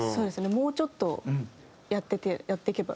もうちょっとやっていけば。